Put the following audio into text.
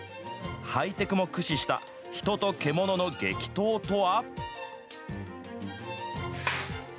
ハイテクも駆使した人と獣の激闘とは。